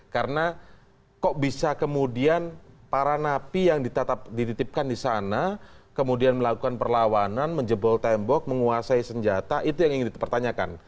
karena kok bisa kemudian para napi yang dititipkan di sana kemudian melakukan perlawanan menjebol tembok menguasai senjata itu yang ingin dipertanyakan